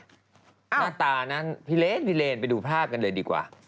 หน้าตานั้นพี่เลนพี่เลนไปดูภาพกันเลยดีกว่า